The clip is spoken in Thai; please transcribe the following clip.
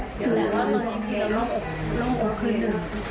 คือแหละว่าตอนนี้คือเราร่องโอกร่องโอกคือหนึ่ง